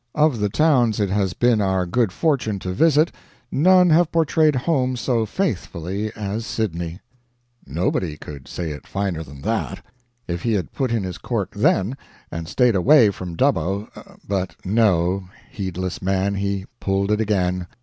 Of the towns it has been our good fortune to visit, none have portrayed home so faithfully as Sydney." Nobody could say it finer than that. If he had put in his cork then, and stayed away from Dubbo but no; heedless man, he pulled it again.